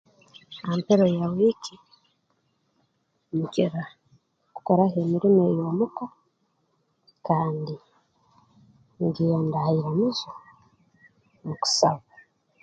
Ha mpero ya wiiki nkira kukoraho emirimo ey'omu ka kandi ngenda ha iramizo okusaba